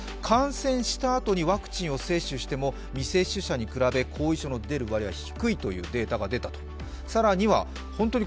感染したあとにワクチンを接種しても未接種者に比べ後遺症が出る割合が低いというデータがあると。